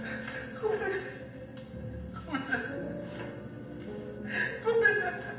ごめんなさい。